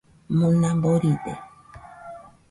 Mona boride